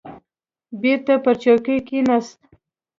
بېرته پر چوکۍ کښېناست.